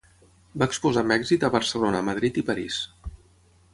Va exposar amb èxit a Barcelona, Madrid i París.